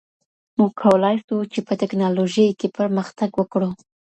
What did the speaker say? موږ کولای سو چي په ټیکنالوژۍ کي پرمختګ وکړو.